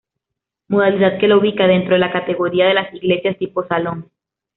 Modalidad que la ubica dentro de la categoría de las iglesias tipo salón.